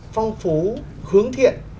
phong phú hướng thiện